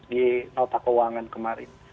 di nota keuangan kemarin